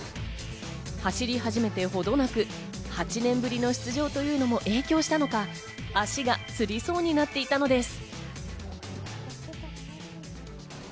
走り始めてほどなく、８年ぶりの出場というのも影響したのか、足がつりそうになっていたのです。